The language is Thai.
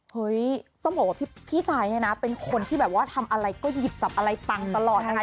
ต้องบอกว่าพี่ซายเนี่ยนะเป็นคนที่แบบว่าทำอะไรก็หยิบจับอะไรปังตลอดนะคะ